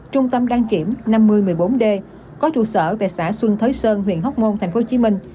trung tâm đăng kiểm năm nghìn một mươi bốn d có trụ sở tại xã xuân thới sơn huyện hóc môn tp hcm